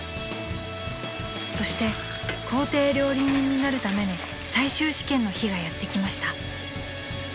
［そして公邸料理人になるための最終試験の日がやって来ました］